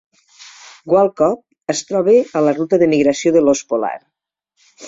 Whale Cove es troba a la ruta de migració de l'os polar.